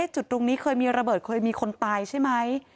จุดตรงนี้เคยมีระเบิดเคยมีคนตายใช่ไหม